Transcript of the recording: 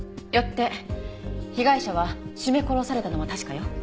よって被害者は絞め殺されたのは確かよ。